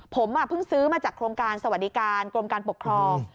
ผมเพิ่งซื้อมาจากโครงการสวัสดิการกรมการปกครอง